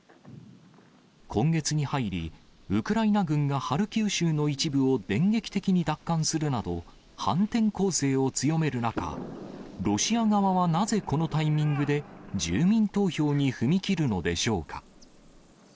今月に入り、ウクライナ軍がハルキウ州の一部を電撃的に奪還するなど、反転攻勢を強める中、ロシア側はなぜこのタイミングで住民投票に踏み切るのでしょうか。